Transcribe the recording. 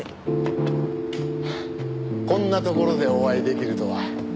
こんな所でお会いできるとは。